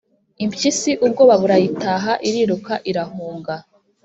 impyisi ubwoba burayitaha, iriruka irahunga.